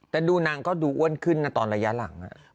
แต่ดูนางก็ดูอ้วนขึ้นนะตอนระยะหลัง